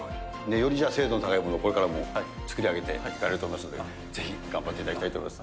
より精度の高いものをこれからも作り上げていかれると思いますので、ぜひ頑張っていただきたいと思います。